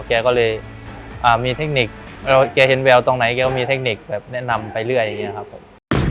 แกก็เลยมีเทคนิคแกเห็นแววตรงไหนแกก็มีเทคนิคแบบแนะนำไปเรื่อยอย่างนี้ครับผม